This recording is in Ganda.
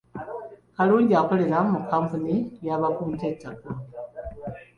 Kalungi akolera mu kkampuni y’abapunta b’ettaka.